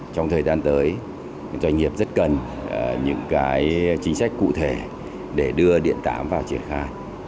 trong thời gian tới doanh nghiệp rất cần những cái chính sách cụ thể để đưa điện tám vào triển khai